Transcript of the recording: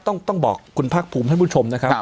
ต้องบอกคุณภาคภูมิท่านผู้ชมนะครับ